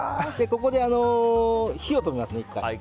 ここで火を止めますね、１回。